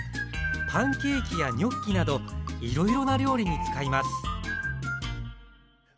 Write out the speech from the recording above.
パンケーキやニョッキなどいろいろな料理に使います